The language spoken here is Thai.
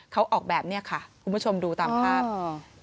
เขาออกแบบเนี้ยค่ะคุณผู้ชมดูตามภาพอ่า